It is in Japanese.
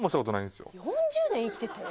４０年生きてて？